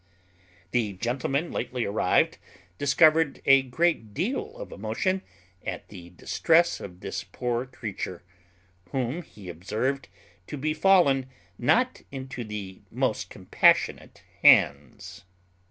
The gentleman lately arrived discovered a great deal of emotion at the distress of this poor creature, whom he observed to be fallen not into the most compassionate hands.